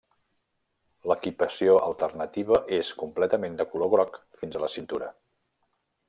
L'equipació alternativa és completament de color groc fins a la cintura.